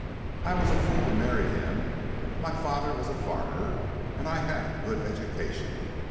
"I was a fool to marry him. My father was a farmer, and I had a good education.